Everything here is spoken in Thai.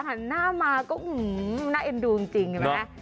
หันหน้ามาก็หน้าเอ็นดูจริง